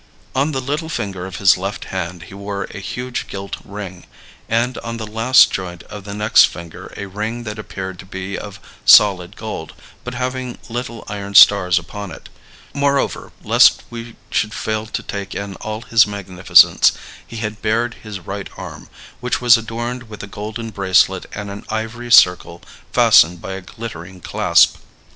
On the little finger of his left hand he wore a huge gilt ring, and on the last joint of the next finger a ring that appeared to be of solid gold, but having little iron stars upon it. Moreover, lest we should fail to take in all his magnificence, he had bared his right arm, which was adorned with a golden bracelet and an ivory circle fastened by a glittering clasp.